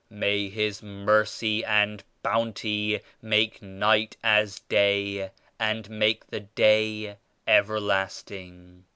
May His Mercy and Bounty make night as day and make the Day everlasting!